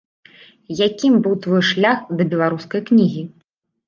Якім быў твой шлях да беларускай кнігі?